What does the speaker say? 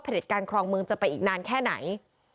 การครองเมืองจะไปอีกนานแค่ไหน